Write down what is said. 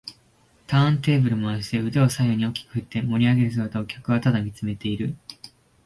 ターンテーブル回して腕を左右に大きく振って盛りあげる姿を客はただ見つめている